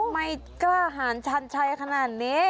ไม่กล้าหารชันชัยขนาดนี้